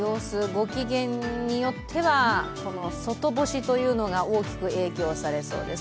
ご機嫌によっては外干しが大きく影響されそうです。